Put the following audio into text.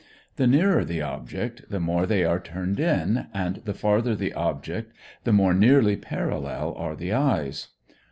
The nearer the object, the more they are turned in, and the farther the object, the more nearly parallel are the eyes.